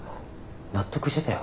納得してたよ。